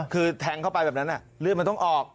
คือแทงเข้าไปแบบนั้นเลือดมันต้องออก